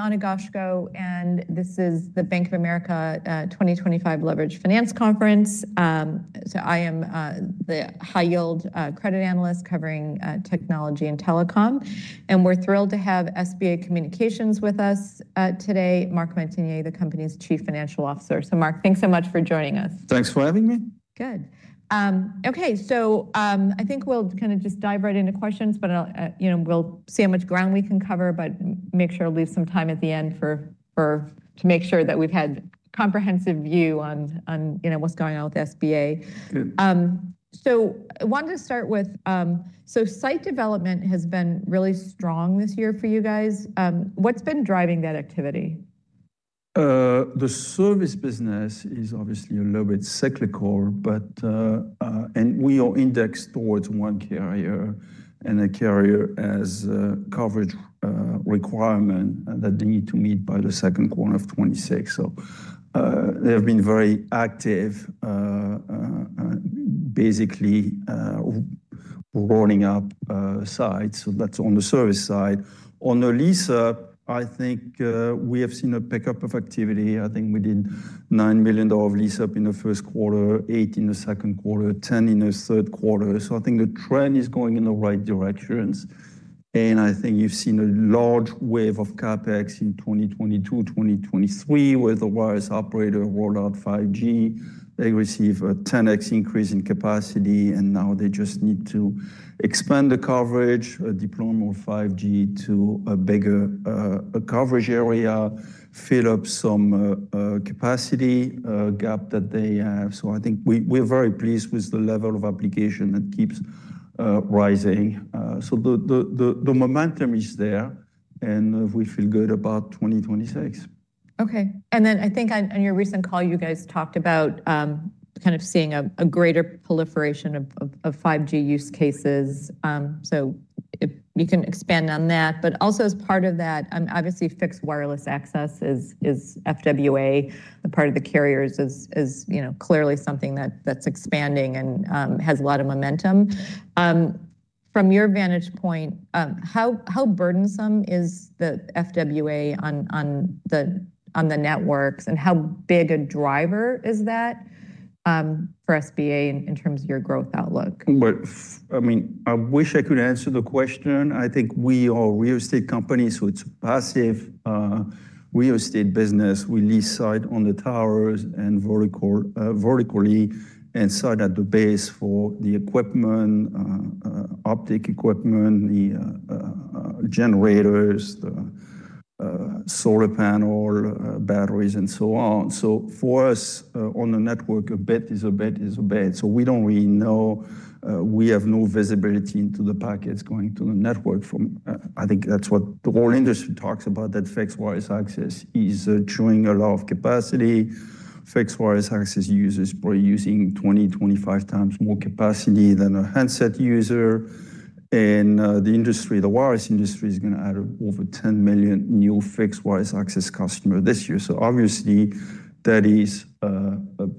I'm Ana Goshko, and this is the Bank of America 2025 Leveraged Finance Conference. I am the high-yield credit analyst covering technology and telecom. We're thrilled to have SBA Communications with us today, Marc Montagner, the company's Chief Financial Officer. Marc, thanks so much for joining us. Thanks for having me. Good. Okay, I think we'll kind of just dive right into questions, but we'll see how much ground we can cover, but make sure we leave some time at the end to make sure that we've had a comprehensive view on what's going on with SBA. I wanted to start with, site development has been really strong this year for you guys. What's been driving that activity? The service business is obviously a little bit cyclical, and we are indexed towards one carrier, and the carrier has a coverage requirement that they need to meet by the second quarter of 2026. They have been very active, basically rolling up sites. That is on the service side. On the lease-up, I think we have seen a pickup of activity. I think we did $9 million of lease-up in the first quarter, $8 million in the second quarter, $10 million in the third quarter. I think the trend is going in the right directions. I think you have seen a large wave of CapEx in 2022, 2023, where the wireless operator rolled out 5G. They received a 10x increase in capacity, and now they just need to expand the coverage, deploy more 5G to a bigger coverage area, fill up some capacity gap that they have. I think we're very pleased with the level of application that keeps rising. The momentum is there, and we feel good about 2026. Okay. I think on your recent call, you guys talked about kind of seeing a greater proliferation of 5G use cases. If you can expand on that. Also, as part of that, obviously fixed wireless access is FWA, a part of the carriers, is clearly something that's expanding and has a lot of momentum. From your vantage point, how burdensome is the FWA on the networks, and how big a driver is that for SBA in terms of your growth outlook? I mean, I wish I could answer the question. I think we are a real estate company, so it's a passive real estate business. We lease site on the towers and vertically and site at the base for the equipment, optic equipment, the generators, the solar panel, batteries, and so on. For us, on the network, a bet is a bet. We do not really know. We have no visibility into the packets going to the network. I think that's what the whole industry talks about, that fixed wireless access is chewing a lot of capacity. Fixed wireless access users are probably using 20-25 times more capacity than a handset user. The industry, the wireless industry is going to add over 10 million new fixed wireless access customers this year. Obviously, that is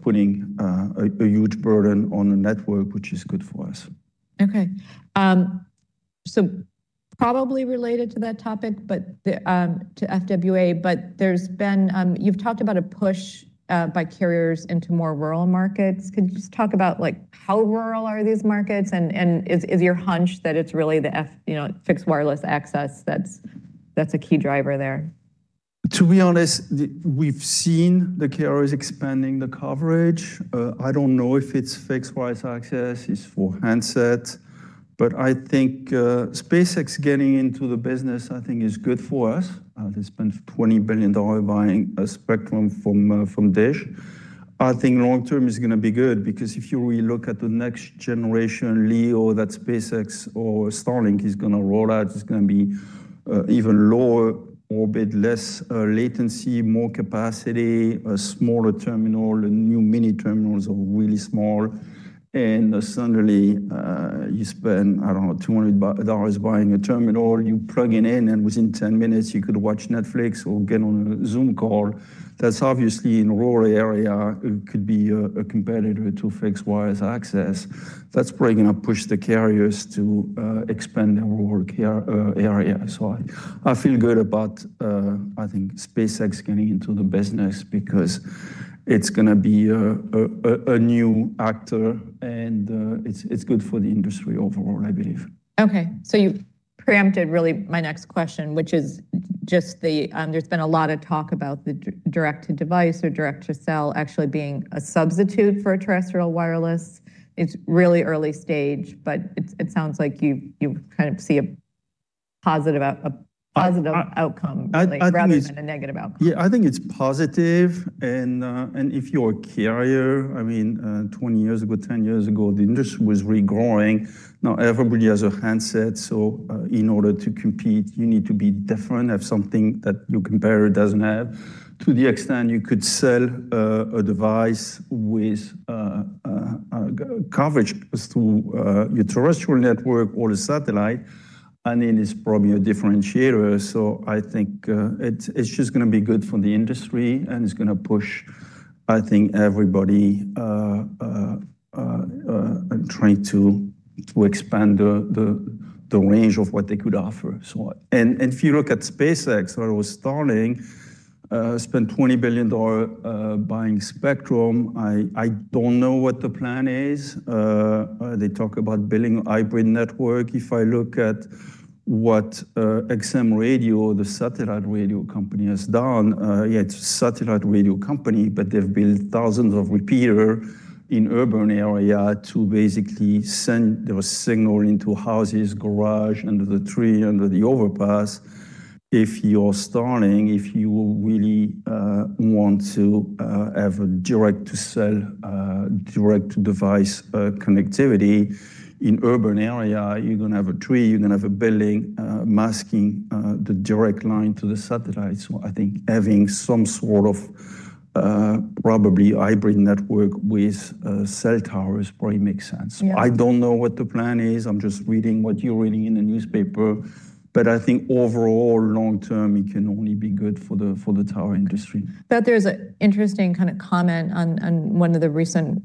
putting a huge burden on the network, which is good for us. Okay. Probably related to that topic, to FWA, but you've talked about a push by carriers into more rural markets. Could you just talk about how rural are these markets, and is your hunch that it's really the fixed wireless access that's a key driver there? To be honest, we've seen the carriers expanding the coverage. I don't know if it's fixed wireless access, it's for handsets, but I think SpaceX getting into the business, I think, is good for us. They spent $20 billion buying a spectrum from DISH. I think long-term is going to be good because if you really look at the next generation LEO that SpaceX or Starlink is going to roll out, it's going to be even lower, orbit less latency, more capacity, a smaller terminal. The new mini terminals are really small. Suddenly you spend, I don't know, $200 buying a terminal, you plug it in, and within 10 minutes you could watch Netflix or get on a Zoom call. That's obviously in a rural area, it could be a competitor to fixed wireless access. That's probably going to push the carriers to expand their rural area. I feel good about, I think, SpaceX getting into the business because it's going to be a new actor, and it's good for the industry overall, I believe. Okay. You preempted really my next question, which is just there's been a lot of talk about the direct-to-device or direct-to-cell actually being a substitute for terrestrial wireless. It's really early stage, but it sounds like you kind of see a positive outcome rather than a negative outcome. Yeah, I think it's positive. If you're a carrier, I mean, 20 years ago, 10 years ago, the industry was regrowing. Now everybody has a handset. In order to compete, you need to be different, have something that your competitor doesn't have. To the extent you could sell a device with coverage through your terrestrial network or the satellite, I think it's probably a differentiator. I think it's just going to be good for the industry, and it's going to push everybody trying to expand the range of what they could offer. If you look at SpaceX, Starlink, spent $20 billion buying Spectrum. I don't know what the plan is. They talk about building hybrid network. If I look at what XM Radio, the satellite radio company, has done, it's a satellite radio company, but they've built thousands of repeaters in urban areas to basically send the signal into houses, garages, under the tree, under the overpass. If you're starting, if you really want to have a direct-to-cell, direct-to-device connectivity in urban areas, you're going to have a tree, you're going to have a building masking the direct line to the satellite. I think having some sort of probably hybrid network with cell towers probably makes sense. I don't know what the plan is. I'm just reading what you're reading in the newspaper. I think overall, long-term, it can only be good for the tower industry. There's an interesting kind of comment on one of the recent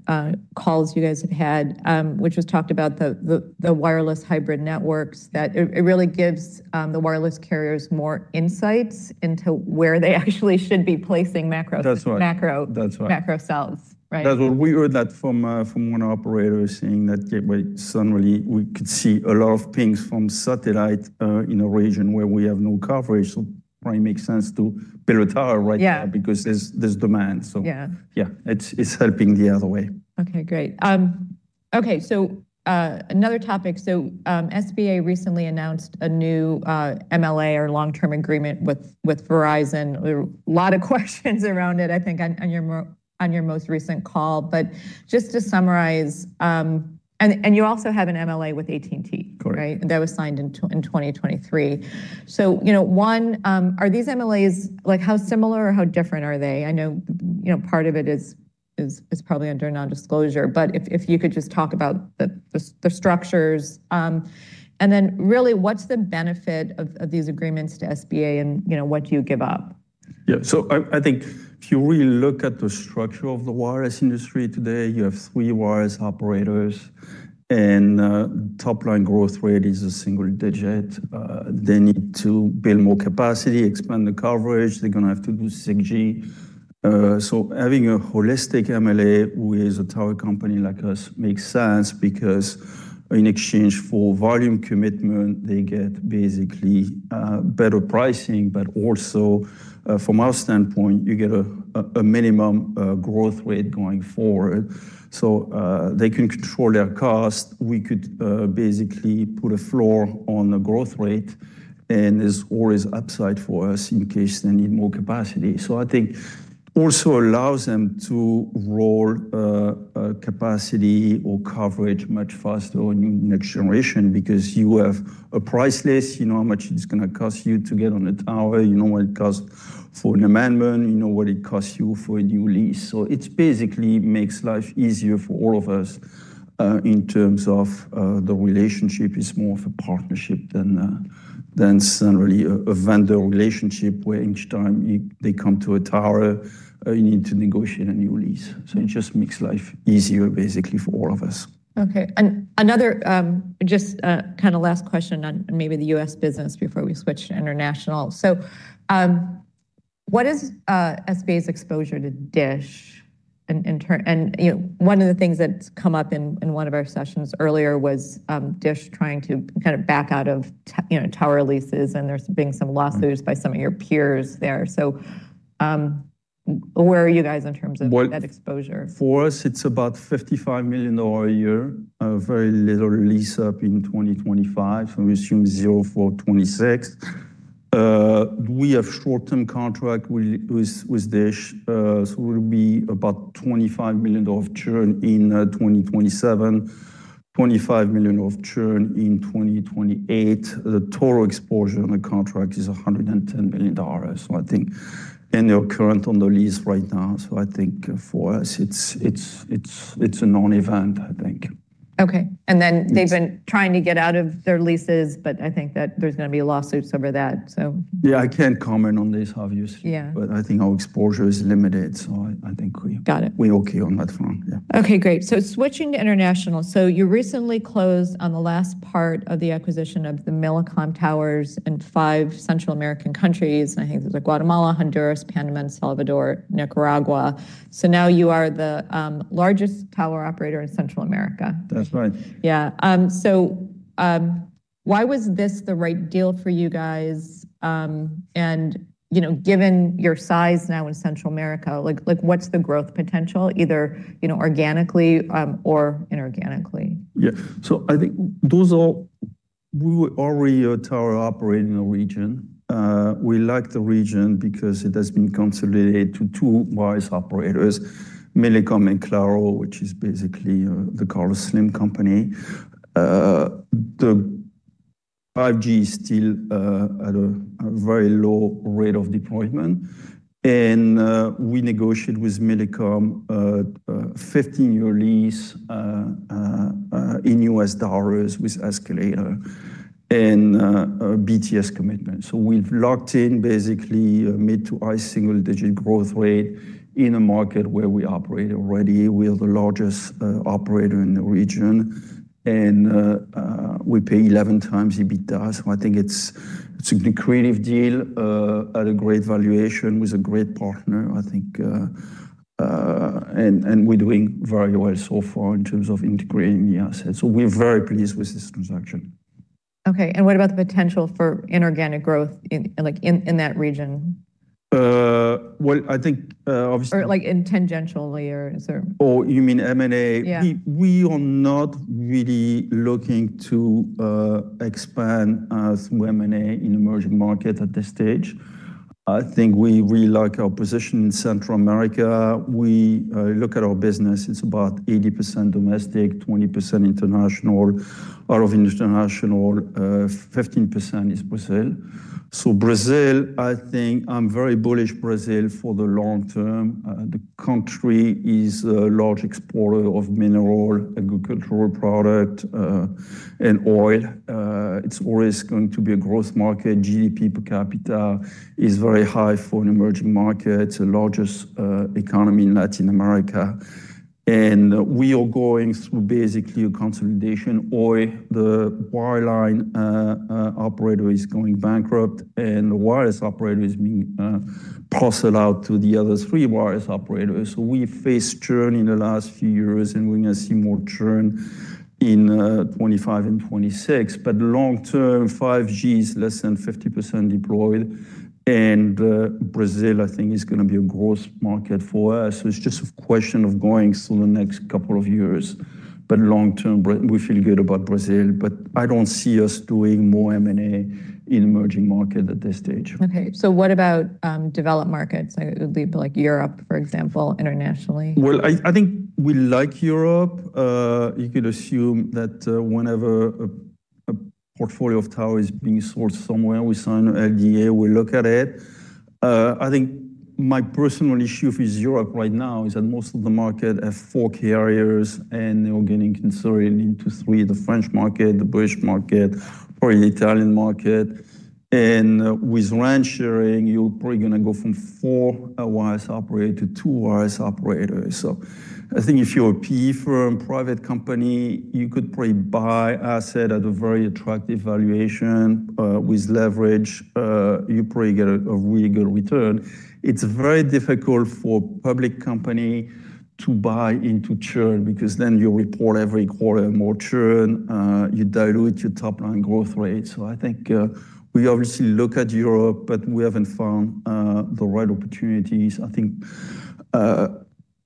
calls you guys have had, which was talked about the wireless hybrid networks, that it really gives the wireless carriers more insights into where they actually should be placing macro cells. That's right. That's what we heard from one operator saying that suddenly we could see a lot of pings from satellite in a region where we have no coverage. It probably makes sense to build a tower right now because there's demand. Yeah, it's helping the other way. Okay, great. Okay, so another topic. SBA recently announced a new MLA or long-term agreement with Verizon. A lot of questions around it, I think, on your most recent call. Just to summarize, you also have an MLA with AT&T, right? That was signed in 2023. One, are these MLAs, how similar or how different are they? I know part of it is probably under nondisclosure, but if you could just talk about the structures. Really, what's the benefit of these agreements to SBA and what do you give up? Yeah. I think if you really look at the structure of the wireless industry today, you have three wireless operators, and top-line growth rate is a single digit. They need to build more capacity, expand the coverage. They're going to have to do 6G. Having a holistic MLA with a tower company like us makes sense because in exchange for volume commitment, they get basically better pricing, but also from our standpoint, you get a minimum growth rate going forward. They can control their cost. We could basically put a floor on the growth rate, and it's always upside for us in case they need more capacity. I think also allows them to roll capacity or coverage much faster in the next generation because you have a price list, you know how much it's going to cost you to get on a tower, you know what it costs for an amendment, you know what it costs you for a new lease. It basically makes life easier for all of us in terms of the relationship. It's more of a partnership than suddenly a vendor relationship where each time they come to a tower, you need to negotiate a new lease. It just makes life easier basically for all of us. Okay. Another just kind of last question on maybe the U.S. business before we switch to international. What is SBA's exposure to DISH? One of the things that's come up in one of our sessions earlier was DISH trying to kind of back out of tower leases, and there's been some lawsuits by some of your peers there. Where are you guys in terms of that exposure? For us, it's about $55 million a year, a very little lease-up in 2025. We assume zero for 2026. We have short-term contract with DISH, so it will be about $25 million of churn in 2027, $25 million of churn in 2028. The total exposure on the contract is $110 million. I think, and they're current on the lease right now. I think for us, it's a non-event, I think. Okay. They have been trying to get out of their leases, but I think that there is going to be lawsuits over that. Yeah, I can't comment on this, obviously, but I think our exposure is limited. I think we're okay on that front. Okay, great. Switching to international. You recently closed on the last part of the acquisition of the Millicom towers in five Central American countries. I think those are Guatemala, Honduras, Panama, El Salvador, and Nicaragua. Now you are the largest tower operator in Central America. That's right. Yeah. Why was this the right deal for you guys? And given your size now in Central America, what's the growth potential, either organically or inorganically? Yeah. I think those are we were already a tower operator in the region. We liked the region because it has been consolidated to two wireless operators, Millicom and Claro, which is basically the Carlos Slim company. The 5G is still at a very low rate of deployment. We negotiated with Millicom a 15-year lease in U.S. dollars with escalator and BTS commitment. We have locked in basically mid to high single-digit growth rate in a market where we operate already with the largest operator in the region. We pay 11 times EBITDA. I think it is a creative deal at a great valuation with a great partner, I think. We are doing very well so far in terms of integrating the assets. We are very pleased with this transaction. Okay. What about the potential for inorganic growth in that region? I think obviously. Or like in tangentially, or is there? Oh, you mean M&A? Yeah. We are not really looking to expand through M&A in emerging markets at this stage. I think we really like our position in Central America. We look at our business. It's about 80% domestic, 20% international, out of international, 15% is Brazil. Brazil, I think I'm very bullish Brazil for the long term. The country is a large exporter of mineral, agricultural product, and oil. It's always going to be a growth market. GDP per capita is very high for an emerging market. It's the largest economy in Latin America. We are going through basically a consolidation. Oi, the wireline operator, is going bankrupt, and the wireless operator is being parceled out to the other three wireless operators. We face churn in the last few years, and we're going to see more churn in 2025 and 2026. Long-term, 5G is less than 50% deployed. Brazil, I think, is going to be a growth market for us. It is just a question of going through the next couple of years. Long-term, we feel good about Brazil, but I do not see us doing more M&A in emerging markets at this stage. Okay. What about developed markets? It would be like Europe, for example, internationally. I think we like Europe. You could assume that whenever a portfolio of towers is being sold somewhere, we sign an NDA, we look at it. I think my personal issue with Europe right now is that most of the market have four carriers, and they're getting considered into three, the French market, the British market, probably the Italian market. With rent sharing, you're probably going to go from four wireless operators to two wireless operators. I think if you're a PE firm, private company, you could probably buy asset at a very attractive valuation with leverage. You probably get a really good return. It's very difficult for public company to buy into churn because then you report every quarter more churn. You dilute your top-line growth rate. I think we obviously look at Europe, but we haven't found the right opportunities. I think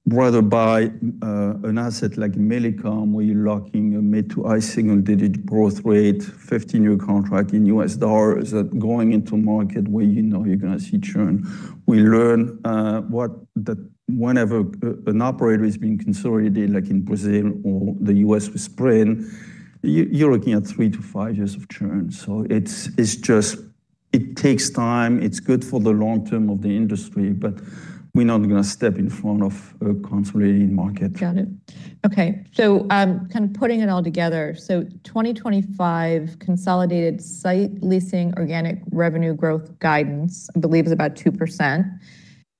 rather buy an asset like Millicom where you're locking a mid to high single-digit growth rate, 15-year contract in U.S. dollars that going into market where you know you're going to see churn. We learn that whenever an operator is being consolidated, like in Brazil or the U.S. with Sprint, you're looking at three to five years of churn. It takes time. It's good for the long term of the industry, but we're not going to step in front of a consolidating market. Got it. Okay. Kind of putting it all together. 2025 consolidated site leasing organic revenue growth guidance, I believe is about 2%.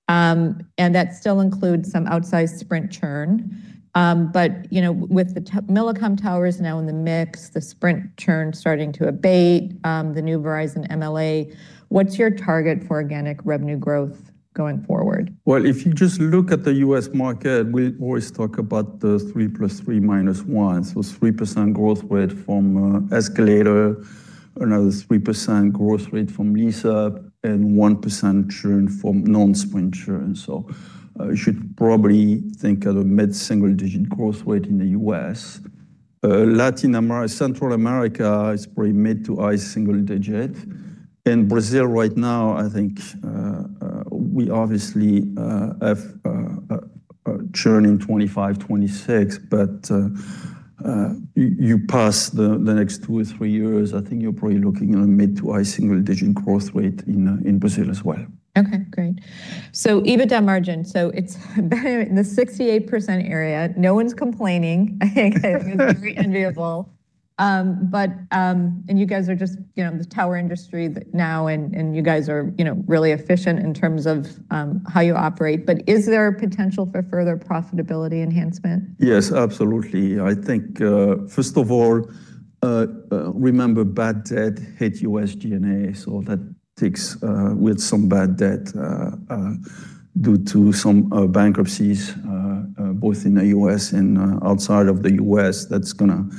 That still includes some outsized Sprint churn. With the Millicom towers now in the mix, the Sprint churn starting to abate, the new Verizon MLA, what's your target for organic revenue growth going forward? If you just look at the U.S. market, we always talk about the 3 + 3 - 1. 3% growth rate from escalator, another 3% growth rate from lease up, and 1% churn from non-Sprint churn. You should probably think of a mid-single-digit growth rate in the U.S. Central America is probably mid to high single-digit. Brazil right now, I think we obviously have churn in 2025, 2026, but you pass the next two or three years, I think you are probably looking at a mid to high single-digit growth rate in Brazil as well. Okay, great. EBITDA margin. It is in the 68% area. No one's complaining. I think it is very enviable. You guys are just the tower industry now, and you guys are really efficient in terms of how you operate. Is there potential for further profitability enhancement? Yes, absolutely. I think, first of all, remember bad debt hit USD and ASL. That ticks with some bad debt due to some bankruptcies, both in the U.S. and outside of the U.S. That's going to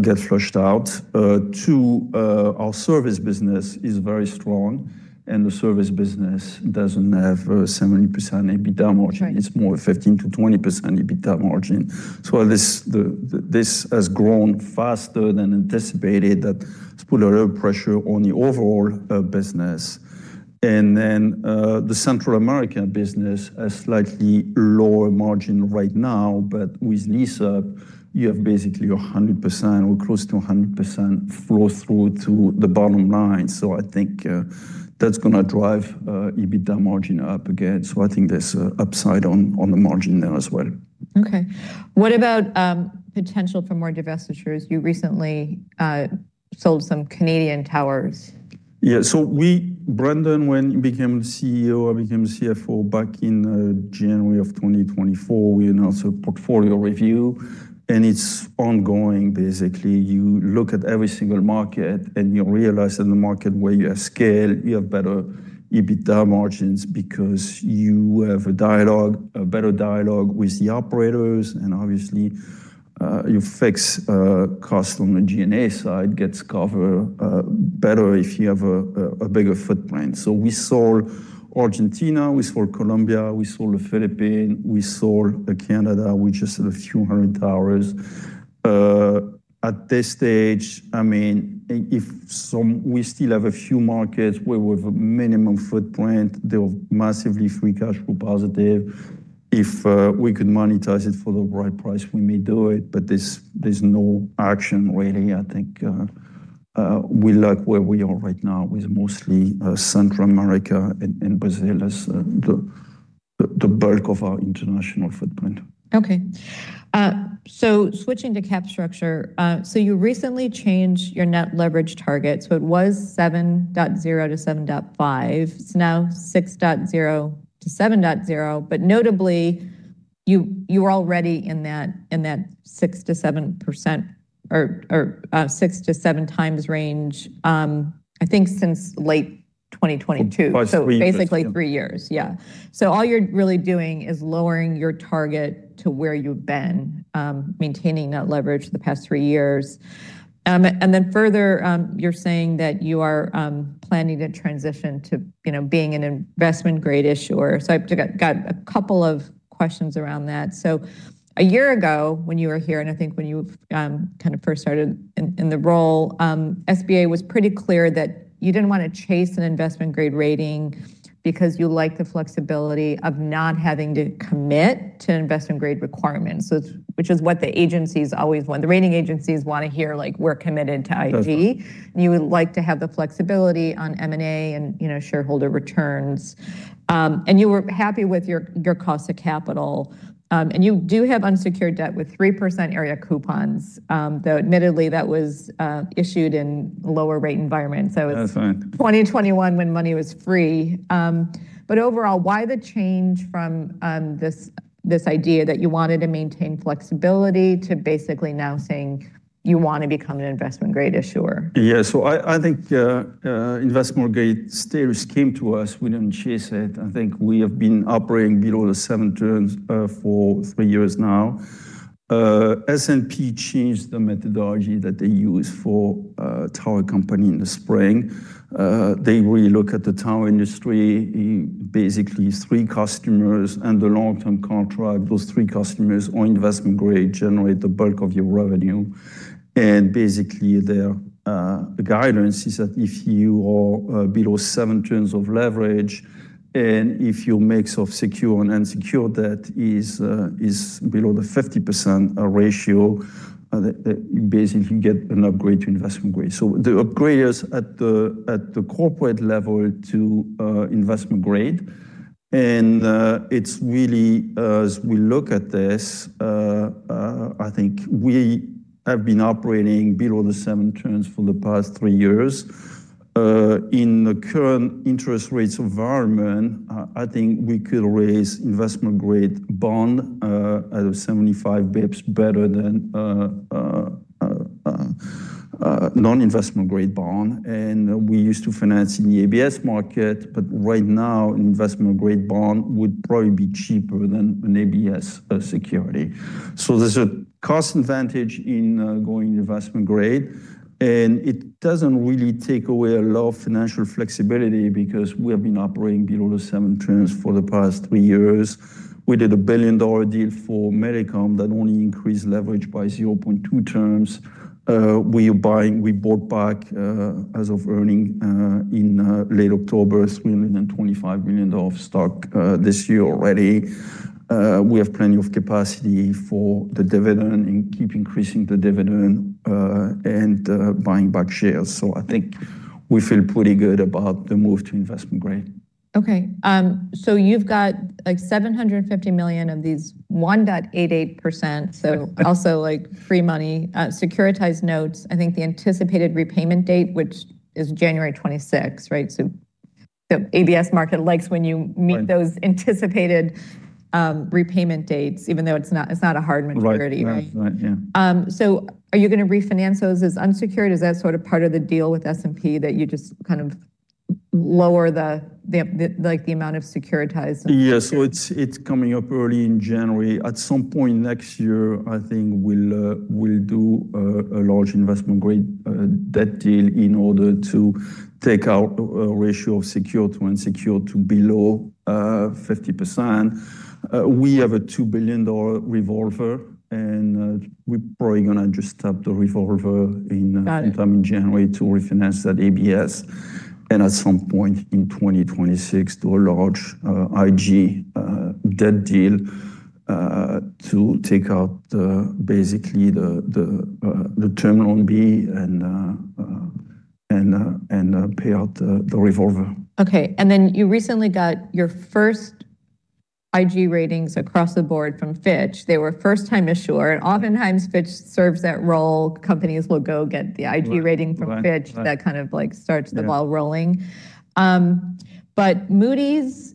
get flushed out. Two, our service business is very strong, and the service business doesn't have a 70% EBITDA margin. It's more 15%-20% EBITDA margin. This has grown faster than anticipated. That's put a lot of pressure on the overall business. The Central American business has slightly lower margin right now, but with lease up, you have basically 100% or close to 100% flow through to the bottom line. I think that's going to drive EBITDA margin up again. I think there's an upside on the margin there as well. Okay. What about potential for more divestitures? You recently sold some Canadian towers. Yeah. We, Brendan, when you became the CEO, I became the CFO back in January of 2024. We announced a portfolio review, and it's ongoing basically. You look at every single market, and you realize in the market where you have scale, you have better EBITDA margins because you have a dialogue, a better dialogue with the operators. Obviously, you fix costs on the G&A side, gets cover better if you have a bigger footprint. We sold Argentina, we sold Colombia, we sold the Philippines, we sold Canada. We just had a few hundred towers. At this stage, I mean, if we still have a few markets where we have a minimum footprint, they're massively free cash flow positive. If we could monetize it for the right price, we may do it, but there's no action really. I think we like where we are right now with mostly Central America and Brazil as the bulk of our international footprint. Okay. Switching to cap structure. You recently changed your net leverage target. It was 7.0-7.5. It is now 6.0-7.0. Notably, you were already in that 6%-7% or 6-7 times range, I think since late 2022. By three years. Basically three years. Yeah. All you're really doing is lowering your target to where you've been, maintaining that leverage for the past three years. Further, you're saying that you are planning to transition to being an investment-grade issuer. I've got a couple of questions around that. A year ago when you were here, and I think when you kind of first started in the role, SBA was pretty clear that you didn't want to chase an investment-grade rating because you like the flexibility of not having to commit to investment-grade requirements, which is what the agencies always want. The rating agencies want to hear like, "We're committed to IG." You would like to have the flexibility on M&A and shareholder returns. You were happy with your cost of capital. You do have unsecured debt with 3% area coupons. Though admittedly, that was issued in a lower rate environment. It was 2021 when money was free. Overall, why the change from this idea that you wanted to maintain flexibility to basically now saying you want to become an investment-grade issuer? Yeah. I think investment-grade status came to us. We did not chase it. I think we have been operating below the seven turns for three years now. S&P changed the methodology that they use for tower company in the spring. They really look at the tower industry, basically three customers and the long-term contract. Those three customers are investment-grade, generate the bulk of your revenue. Basically, their guidance is that if you are below seven turns of leverage and if your mix of secure and unsecured debt is below the 50% ratio, you basically get an upgrade to investment-grade. The upgrade is at the corporate level to investment-grade. It is really, as we look at this, I think we have been operating below the seven turns for the past three years. In the current interest rates environment, I think we could raise investment-grade bond at 75 basis points better than non-investment-grade bond. We used to finance in the ABS market, but right now, an investment-grade bond would probably be cheaper than an ABS security. There is a cost advantage in going investment-grade. It does not really take away a lot of financial flexibility because we have been operating below the seven turns for the past three years. We did a $1 billion deal for Millicom that only increased leverage by 0.2 turns. We bought back as of earning in late October, $325 million of stock this year already. We have plenty of capacity for the dividend and keep increasing the dividend and buying back shares. I think we feel pretty good about the move to investment-grade. Okay. So you've got like $750 million of these 1.88%. So also like free money, securitized notes. I think the anticipated repayment date, which is January 2026, right? So the ABS market likes when you meet those anticipated repayment dates, even though it's not a hard maturity, right? Right. Are you going to refinance those as unsecured? Is that sort of part of the deal with S&P that you just kind of lower the amount of securitized? Yes. It is coming up early in January. At some point next year, I think we will do a large investment-grade debt deal in order to take our ratio of secured to unsecured to below 50%. We have a $2 billion revolver, and we are probably going to just tap the revolver sometime in January to refinance that ABS. At some point in 2026, do a large IG debt deal to take out basically the terminal and pay out the revolver. Okay. And then you recently got your first IG ratings across the board from Fitch. They were first-time issuer. And oftentimes, Fitch serves that role. Companies will go get the IG rating from Fitch. That kind of like starts the ball rolling. But Moody's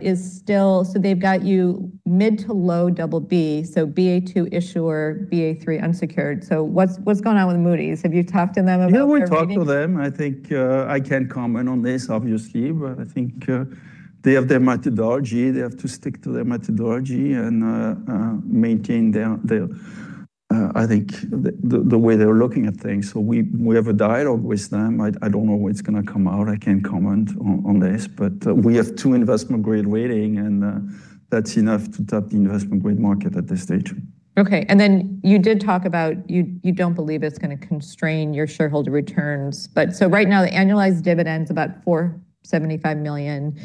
is still, so they've got you mid to low double B, so Ba2 issuer, Ba3 unsecured. So what's going on with Moody's? Have you talked to them about this? Yeah, we talked to them. I think I can't comment on this, obviously, but I think they have their methodology. They have to stick to their methodology and maintain their, I think, the way they're looking at things. We have a dialogue with them. I don't know what's going to come out. I can't comment on this, but we have two investment-grade ratings, and that's enough to tap the investment-grade market at this stage. Okay. You did talk about you do not believe it is going to constrain your shareholder returns. Right now, the annualized dividend is about $475 million.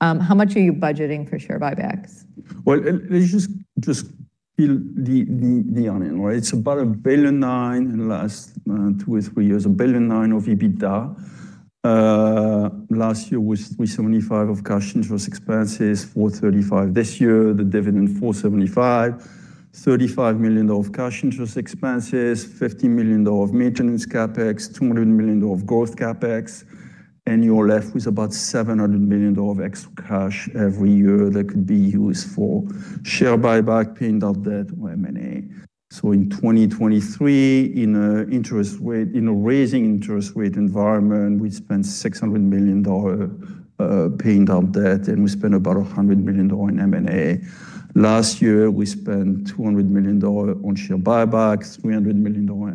How much are you budgeting for share buybacks? Let's just peel the onion, right? It's about $1.9 billion in the last two or three years, $1.9 billion of EBITDA. Last year was $375 million of cash interest expenses, $435 million this year. The dividend, $475 million, $35 million of cash interest expenses, $15 million of maintenance CapEx, $200 million of growth CapEx. You're left with about $700 million of extra cash every year that could be used for share buyback, paying down debt or M&A. In 2023, in a raising interest rate environment, we spent $600 million paying down debt, and we spent about $100 million in M&A. Last year, we spent $200 million on share buybacks, $300 million on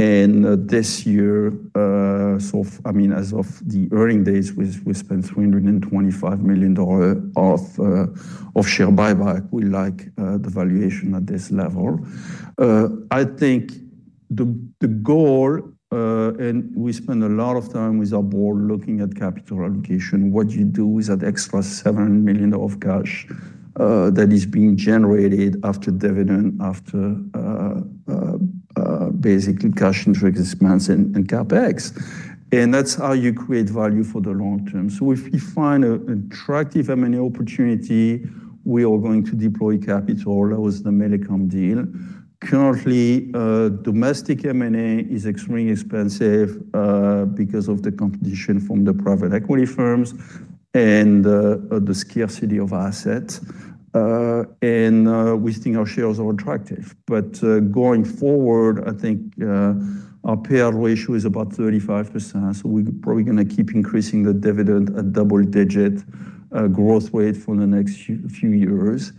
M&A. This year, I mean, as of the earning days, we spent $325 million of share buyback. We like the valuation at this level. I think the goal, and we spend a lot of time with our board looking at capital allocation, what you do is that extra $700 million of cash that is being generated after dividend, after basically cash interest expense and CapEx. That is how you create value for the long term. If you find an attractive M&A opportunity, we are going to deploy capital. That was the Millicom deal. Currently, domestic M&A is extremely expensive because of the competition from the private equity firms and the scarcity of assets. We think our shares are attractive. Going forward, I think our payout ratio is about 35%. We are probably going to keep increasing the dividend at double-digit growth rate for the next few years.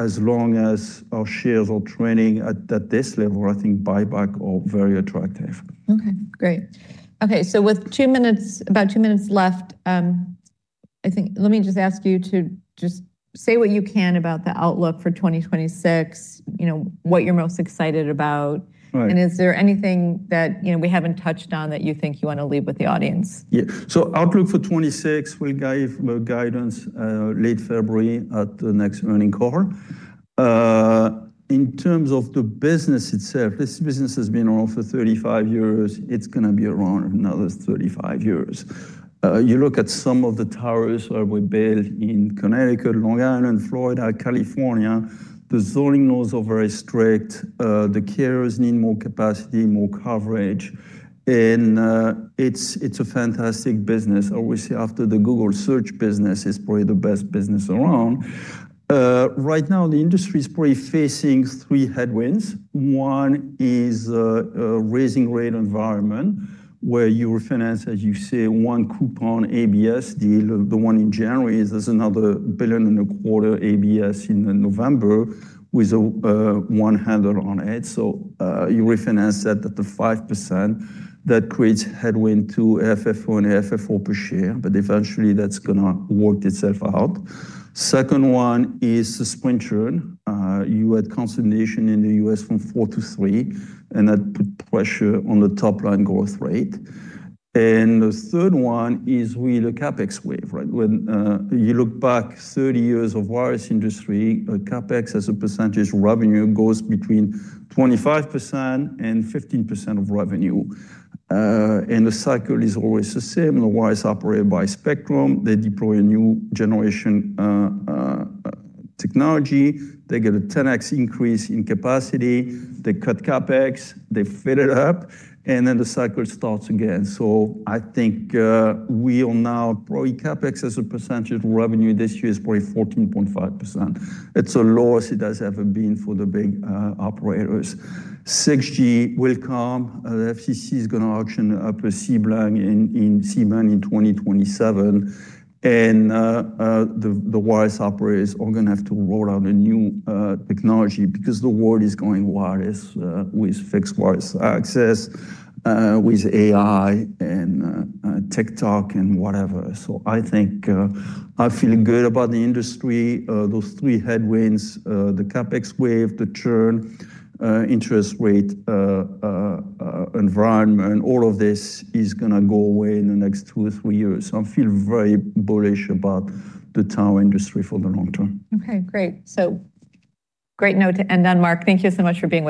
As long as our shares are trading at this level, I think buybacks are very attractive. Okay, great. Okay. With about two minutes left, I think let me just ask you to just say what you can about the outlook for 2026, what you're most excited about. Is there anything that we haven't touched on that you think you want to leave with the audience? Yeah. Outlook for 2026, we'll give guidance late February at the next earnings call. In terms of the business itself, this business has been around for 35 years. It's going to be around another 35 years. You look at some of the towers that were built in Connecticut, Long Island, Florida, California, the zoning laws are very strict. The carriers need more capacity, more coverage. It's a fantastic business. I would say after the Google search business, it's probably the best business around. Right now, the industry is probably facing three headwinds. One is a raising rate environment where you refinance, as you say, one coupon ABS deal. The one in January is another $1.25 billion ABS in November with one handle on it. You refinance that at the 5%. That creates headwind to FFO and FFO per share, but eventually, that's going to work itself out. Second one is the Sprint churn. You had consolidation in the U.S. from four to three, and that put pressure on the top line growth rate. The third one is really the CapEx wave, right? When you look back 30 years of wireless industry, CapEx as a percentage revenue goes between 25% and 15% of revenue. The cycle is always the same. The wireless operators buy spectrum. They deploy a new generation technology. They get a 10x increase in capacity. They cut CapEx. They fill it up. The cycle starts again. I think we are now probably CapEx as a percentage revenue this year is probably 14.5%. It's the lowest it has ever been for the big operators. 6G will come. The FCC is going to auction up a C-band in 2027. The wireless operators are going to have to roll out a new technology because the world is going wireless with fixed wireless access, with AI and TikTok and whatever. I think I feel good about the industry. Those three headwinds, the CapEx wave, the churn, interest rate environment, all of this is going to go away in the next two or three years. I feel very bullish about the tower industry for the long term. Okay, great. Great note to end on, Marc. Thank you so much for being.